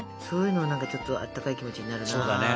そういうのなんかちょっとあったかい気持ちになるな。